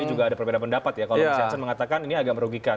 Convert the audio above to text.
tadi juga ada pendapat ya kalau mas yansen mengatakan ini agak merugikan